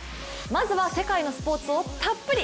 まずは世界のスポーツをたっぷり。